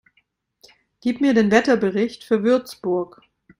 Gib mir den Wetterbericht für Würzburg